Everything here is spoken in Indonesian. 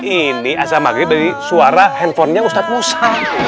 ini azam maghrib dari suara handphonenya ustadz musa